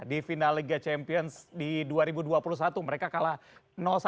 di final liga champions di dua ribu dua puluh satu mereka kalah satu